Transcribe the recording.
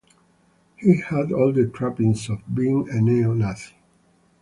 He had all the trappings of being a neo-Nazi.